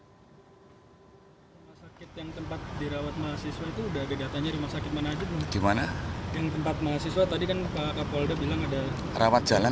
rumah sakit yang tempat dirawat mahasiswa itu udah ada datanya rumah sakit mana aja